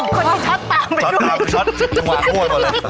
คุณอย่างชอดตามไปด้วย